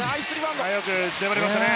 よく粘りましたね。